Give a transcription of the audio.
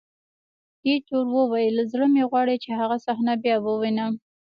ایټور وویل: زړه مې غواړي چې هغه صحنه بیا ووینم.